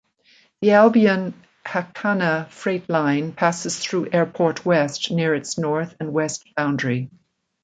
The Albion-Jacana freight line passes through Airport West near its north and west boundary.